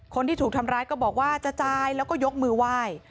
คนที่ถูกทำร้ายก็บอกว่าจะจ่ายแล้วก็ยกมือไหว้